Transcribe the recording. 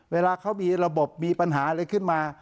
เวลาเขามีระบบมีปัญหาอะไรขึ้นมา